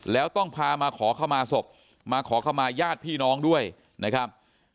แล้วต้องพามาขอเข้ามาศพมาขอเข้ามาญาติพี่น้องด้วยนะครับ